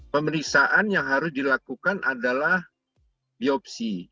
pemeriksaan yang harus dilakukan adalah biopsi